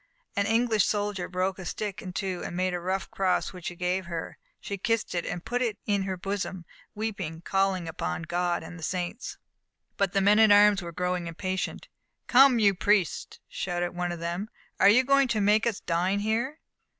An English soldier broke a stick in two and made a rough cross, which he gave her. She kissed it and put it in her bosom, weeping, calling upon God and the saints. But the men at arms were growing impatient. "Come, you priests!" shouted one of them, "are you going to make us dine here?"